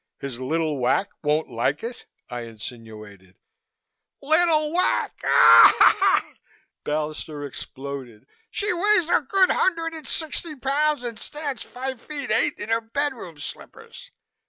"His little Wac won't like it?" I insinuated. "Little Wac!" Ballister exploded. "She weighs a good hundred and sixty pounds and stands five feet eight in her bedroom slippers.